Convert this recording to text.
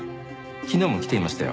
昨日も来ていましたよ。